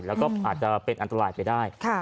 แล้วก็อาจจะเป็นอันตรายไปได้